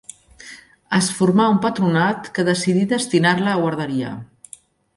Es formà un patronat que decidí destinar-la a guarderia.